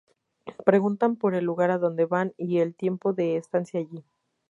Preguntan por el lugar adonde van y el tiempo de estancia allí.